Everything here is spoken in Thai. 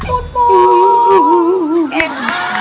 ปูนปูน